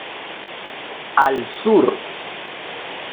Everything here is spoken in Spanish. Al Sur.